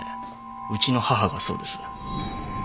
うちの母がそうです。